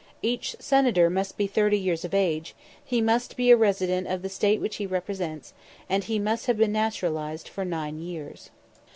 Each Senator must be thirty years of age; he must be a resident of the State which he represents, and he must have been naturalised for nine years.